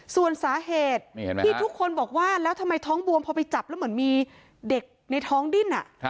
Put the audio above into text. ส่วนสาเหตุที่ทุกคนบอกว่าแล้วทำไมท้องบวมพอไปจับแล้วเหมือนมีเด็กในท้องดิ้น